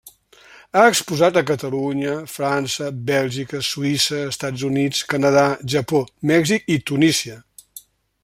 Ha exposat a Catalunya, França, Bèlgica, Suïssa, Estats Units, Canadà, Japó, Mèxic i Tunísia.